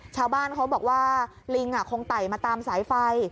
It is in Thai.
ชาวบ้านเขาบอกว่าลิงคงไต่มาตามสายไฟ